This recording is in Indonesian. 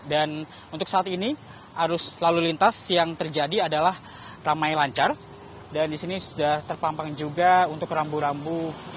dan untuk saat ini arus lalu lintas yang terjadi adalah ramai lancar dan disini sudah terpampang juga untuk rambu rambu